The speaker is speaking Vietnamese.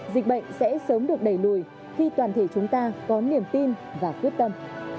dịch bệnh sẽ sớm được đẩy lùi khi toàn thể chúng ta có niềm tin và quyết tâm